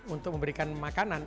untuk memberikan makanan